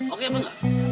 oke apa enggak